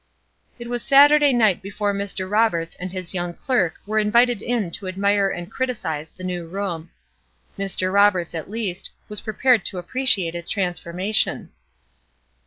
It was Saturday night before Mr. Roberts and his young clerk were invited in to admire and criticise the new room. Mr. Roberts, at least, was prepared to appreciate its transformation.